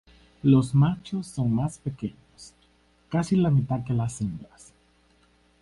Los machos son más pequeños, casi la mitad que las hembras.